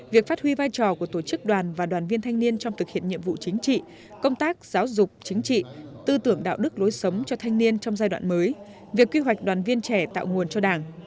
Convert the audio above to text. việc phát huy vai trò của tổ chức đoàn và đoàn viên thanh niên trong thực hiện nhiệm vụ chính trị công tác giáo dục chính trị tư tưởng đạo đức lối sống cho thanh niên trong giai đoạn mới việc quy hoạch đoàn viên trẻ tạo nguồn cho đảng